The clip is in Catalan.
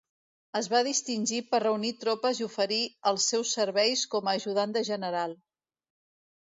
Es va distingir per reunir tropes i oferir els seus serveis com a ajudant de general.